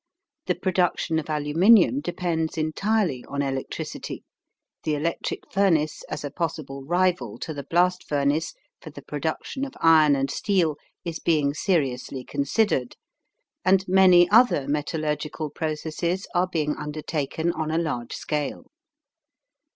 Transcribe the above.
The production of aluminum depends entirely on electricity, the electric furnace as a possible rival to the blast furnace for the production of iron and steel is being seriously considered, and many other metallurgical processes are being undertaken on a large scale.